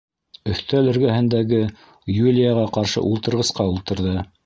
Өҫтәл эргәһендәге Юлияға ҡаршы ултырғысҡа ултырҙы.